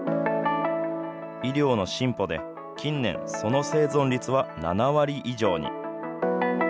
医療の進歩で近年、その生存率は７割以上に。